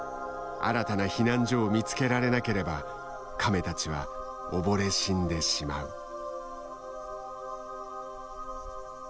新たな避難所を見つけられなければカメたちは溺れ死んでしまう。